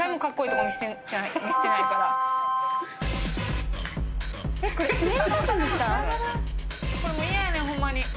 これもう嫌やねんホンマに。